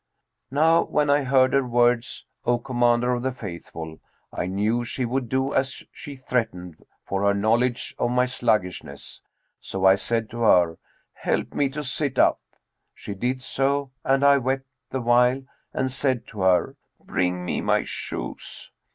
Now when I heard her words, O Commander of the Faithful, I knew she would do as she threatened for her knowledge of my sluggishness; so I said to her, 'Help me to sit up.' She did so, and I wept the while and said to her, 'Bring me my shoes.'